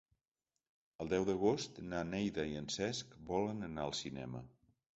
El deu d'agost na Neida i en Cesc volen anar al cinema.